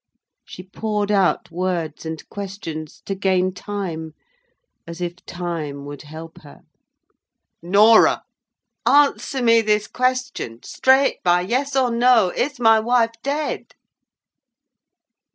She poured out words and questions to gain time, as if time would help her. "Norah! answer me this question, straight, by yes or no—Is my wife dead?"